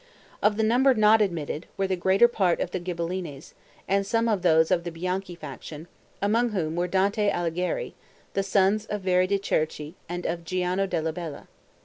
Of the number not admitted, were the greater part of the Ghibellines, and some of those of the Bianchi faction, among whom were Dante Alighieri, the sons of Veri de' Cerchi and of Giano della Bella.